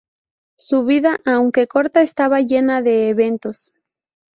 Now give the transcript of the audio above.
Su vida, aunque corta estaba llena de eventos.